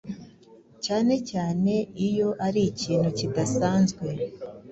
cyane cyane iyo ari ikintu kidasanzwe